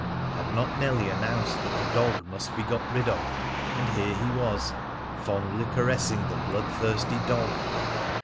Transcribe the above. Had not Nellie announced that the dog must be got rid of? And here he was fondly caressing the bloodthirsty dog!